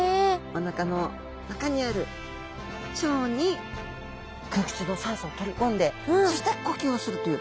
おなかの中にある腸に空気中の酸素を取り込んでそして呼吸をするという。